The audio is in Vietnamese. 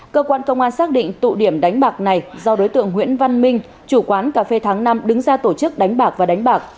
cơ quan công an xác định tụ điểm đánh bạc này do đối tượng nguyễn văn minh chủ quán cà phê tháng năm đứng ra tổ chức đánh bạc và đánh bạc